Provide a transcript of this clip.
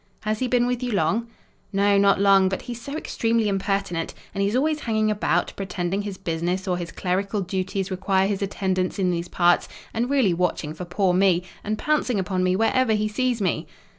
"Has he been with you long?" "No, not long, but he's so extremely impertinent: and he's always hanging about, pretending his business or his clerical duties require his attendance in these parts, and really watching for poor me, and pouncing upon me wherever he sees me."